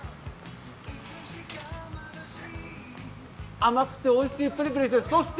甘くておいしいプリプリして。